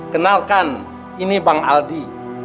kenalkan ini bang aldi